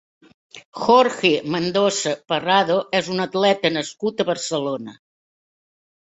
Jorge Mendoza Parrado és un atleta nascut a Barcelona.